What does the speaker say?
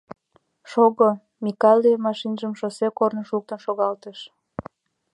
— Шого, — Микале машинажым шоссе корныш луктын шогалтыш.